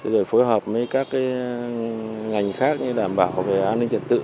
rồi phối hợp với các ngành khác đảm bảo về an ninh trật tự